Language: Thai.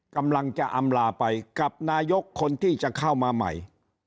กำลังจะอำลาไปกับนายกคนที่จะเข้ามาใหม่